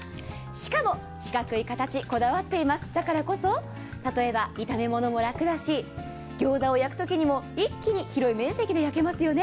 しかも、四角い形こだわっていますだからこそ、例えば炒め物も楽だしギョーザを焼くときにも、一気に広い面積で焼けますよね。